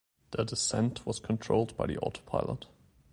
The descent was controlled by the autopilot.